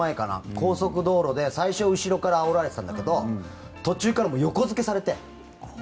高速道路で最初後ろからあおられてたんだけど途中から横付けされて。